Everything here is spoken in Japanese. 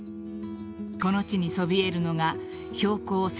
［この地にそびえるのが標高１，７２９